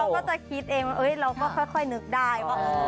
เราก็จะคิดเองเราก็ค่อยนึกได้